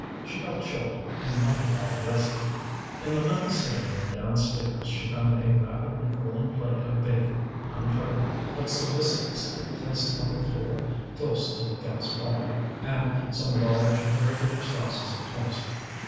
She felt chilled, and not at all rested. In the little sitting room downstairs she found a rapidly cooling plate of bacon, uncovered, but solicitously placed on the floor close to the gas fire, and some large, irregular slices of toast.